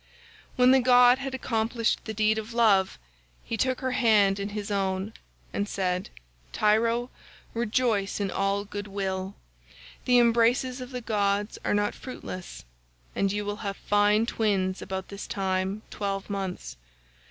When the god had accomplished the deed of love, he took her hand in his own and said, 'Tyro, rejoice in all good will; the embraces of the gods are not fruitless, and you will have fine twins about this time twelve months.